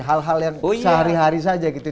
hal hal yang sehari hari saja gitu